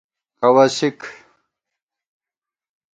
خَوَسِک